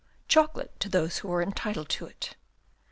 Chocolate to those who are entitled to it.